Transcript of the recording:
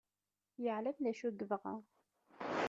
Yeɛlem d acu i yebɣa.